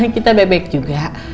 kita baik baik juga